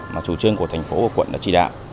mà chủ trương của thành phố và quận đã chỉ đạo